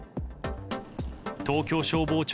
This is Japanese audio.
東京消防庁